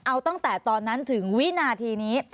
เอาตั้งแต่ตอนนั้นถึงวินาทีนี้